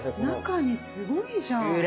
中にすごいじゃん。